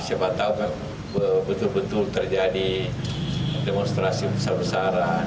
siapa tahu betul betul terjadi demonstrasi besar besaran